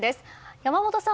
山本さん